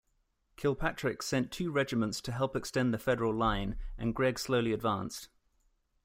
Kilpatrick sent two regiments to help extend the Federal line, and Gregg slowly advanced.